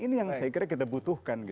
ini yang saya kira kita butuhkan